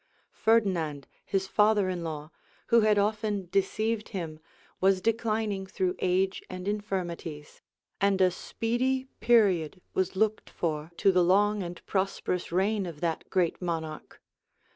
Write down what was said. Ferdinand, his father in law, who had often deceived him, was declining through age and infirmities; and a speedy period was looked for to the long and prosperous reign of that great monarch.